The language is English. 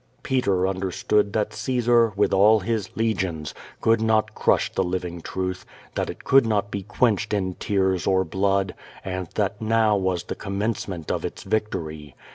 Peter understood that Caesar, with all his le gions, could not crush the living truth, that it could not be quenched in tears or blood, and that now was the commence ment of its victory.